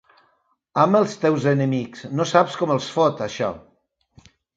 Ama els teus enemics: no saps com els fot, això.